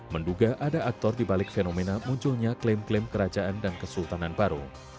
menduga ada aktor dibalik fenomena munculnya klaim klaim kerajaan dan kesultanan baru